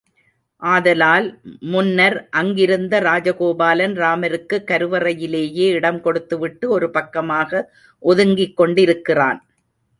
ஆதலால் முன்னர் அங்கிருந்த ராஜகோபாலன், ராமருக்குக் கருவறையிலேயே இடம் கொடுத்துவிட்டு ஒரு பக்கமாக ஒதுங்கிக் கொண்டிருக்கிறான்.